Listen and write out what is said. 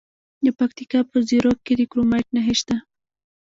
د پکتیکا په زیروک کې د کرومایټ نښې شته.